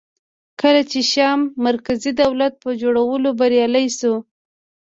کله چې شیام مرکزي دولت په جوړولو بریالی شو